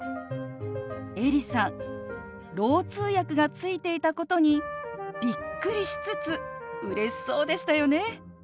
エリさんろう通訳がついていたことにびっくりしつつうれしそうでしたよね。